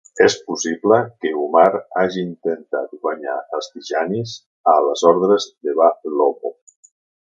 És possible que Umar hagi intentat guanyar els Tijanis a les ordres de Ba Lobbo.